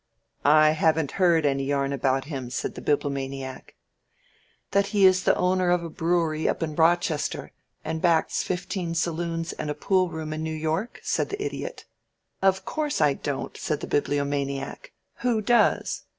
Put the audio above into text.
"I haven't heard any yarn about him," said the Bibliomaniac. "That he is the owner of a brewery up in Rochester, and backs fifteen saloons and a pool room in New York?" said the Idiot. "Of course I don't," said the Bibliomaniac. "Who does?"